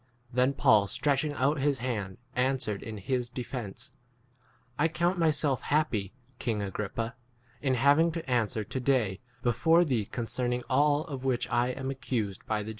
Then Paul stretching out his hand answered in his de 2 fence ; I count myself happy, king Agrippa, in having to answer to day before thee concerning all of which I am accused by the Jews, f T.